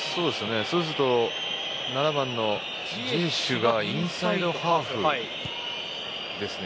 そうすると、７番のジエシュがインサイドハーフですね。